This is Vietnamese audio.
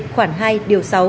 khoảng hai điều sáu